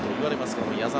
この矢澤。